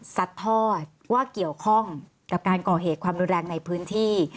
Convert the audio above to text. ทอดว่าเกี่ยวข้องกับการก่อเหตุความรุนแรงในพื้นที่